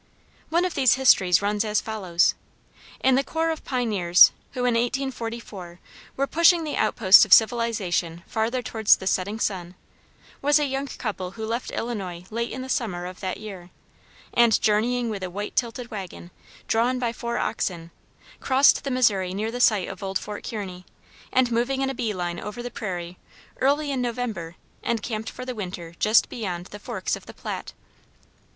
One of these histories runs as follows: In the corps of pioneers who, in 1844, were pushing the outposts of civilization farther towards the setting sun, was a young couple who left Illinois late in the summer of that year, and, journeying with a white tilted wagon, drawn by four oxen, crossed the Missouri near the site of old Fort Kearney, and moving in a bee line over the prairie, early in November, encamped for the winter just beyond the forks of the Platte.